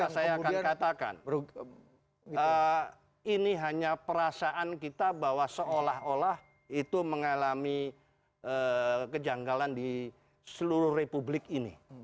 saya akan katakan ini hanya perasaan kita bahwa seolah olah itu mengalami kejanggalan di seluruh republik ini